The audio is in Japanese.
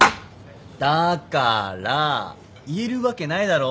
だから言えるわけないだろ。